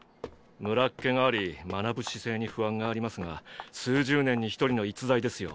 ムラっ気があり学ぶ姿勢に不安がありますが数十年に一人の逸材ですよ。